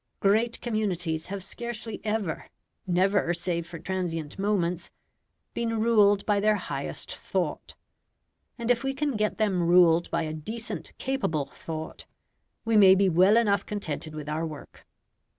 Great communities have scarcely ever never save for transient moments been ruled by their highest thought. And if we can get them ruled by a decent capable thought, we may be well enough contented with our work.